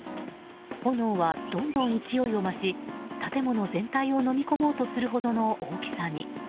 炎はどんどん勢いを増し建物全体をのみ込もうとするほどの大きさに。